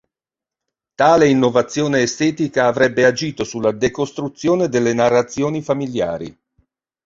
Tale innovazione estetica avrebbe agito sulla decostruzione delle narrazioni familiari.